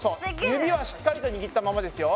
指はしっかりと握ったままですよ。